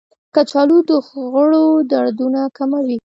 کچالو د غړو دردونه کموي.